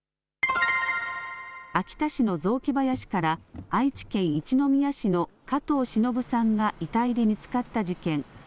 秋田市の雑木林から、愛知県一宮市の加藤しのぶさんが遺体で見つかった事件。